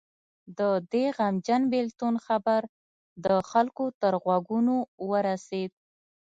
د دې غمجن بېلتون خبر د خلکو تر غوږونو ورسېد.